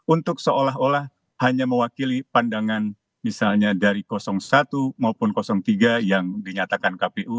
untuk seolah olah hanya mewakili pandangan misalnya dari satu maupun tiga yang dinyatakan kpu